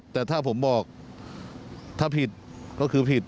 แต่ถ้าผมบอกถ้าผิดก็คือผิด